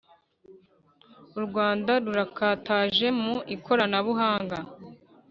u rwanda rurakataje mu ikoranabuhanga (